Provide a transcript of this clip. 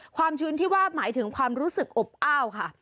ชื้นที่ว่าหมายถึงความรู้สึกอบอ้าวค่ะ